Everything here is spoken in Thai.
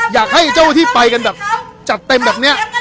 อยากให้เจ้าที่ไปกันแบบจัดเต็มแบบนี้